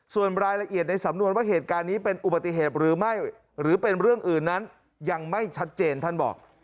ส่วนรายละเอียดในสำนวนว่าเหตุการณ์นี้เป็นอุบัติเหตุหรือไม่หรือเป็นเรื่องอื่นนั้นยังไม่ชัดเจนท่านบอก